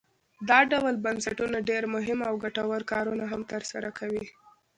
دا ډول بنسټونه ډیر مهم او ګټور کارونه هم تر سره کوي.